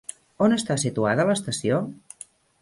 On està situada l'estació?